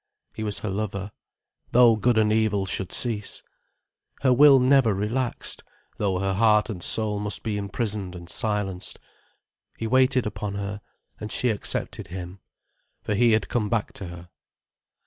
He was her lover, though good and evil should cease. Her will never relaxed, though her heart and soul must be imprisoned and silenced. He waited upon her, and she accepted him. For he had come back to her.